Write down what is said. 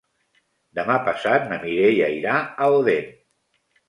Demà passat na Mireia irà a Odèn.